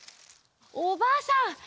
おばあさん